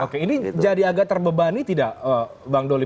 oke ini jadi agak terbebani tidak bang doli